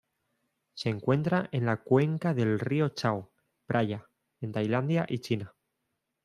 Se encuentra en la cuenca del río Chao Phraya en Tailandia y China.